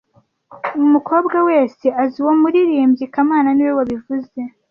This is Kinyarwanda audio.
Umukobwa wese azi uwo muririmbyi kamana niwe wabivuze